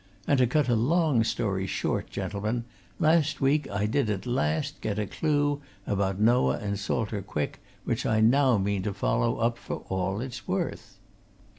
And to cut a long story short, gentlemen, last week I did at last get a clue about Noah and Salter Quick which I now mean to follow up for all it's worth."